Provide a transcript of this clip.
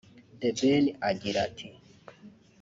The Ben agira ati